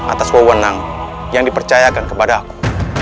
atas wawonang yang dipercayakan kepada aku